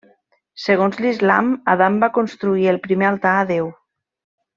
Segons l'islam, Adam va construir el primer altar a Déu.